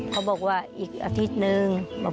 ป้าก็ทำของคุณป้าได้ยังไงสู้ชีวิตขนาดไหนติดตามกัน